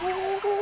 お！